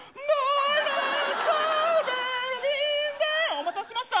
お待たせしました。